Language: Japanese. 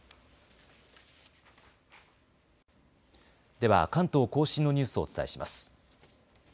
では関東甲信のニュースをお伝えします。